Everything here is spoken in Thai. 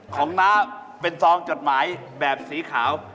น้าเป็นซองจดหมายแบบสีขาว